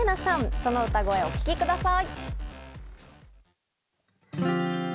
その歌声、お聴きください。